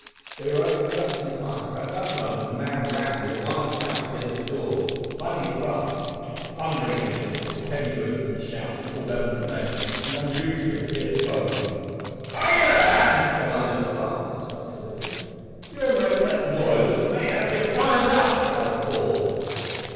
They were only just in time, for at that moment a man ran with a wild shout against the door. Finding it fast, he kept thundering against it with his heavy boots, and shouting Paul Bevan's name in unusually fierce tones. "Are ye there?" he demanded at last and stopped to listen. "If you'll make less noise mayhap ye'll find out" growled Paul.